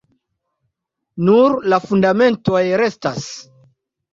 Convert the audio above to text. Nur la fundamentoj restas.